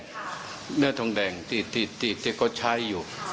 เนื้อทองแดงที่เขาใช้อยู่